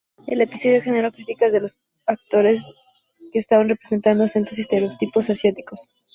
El episodio generó críticas de que los actores estaban representando acentos y estereotipos asiáticos.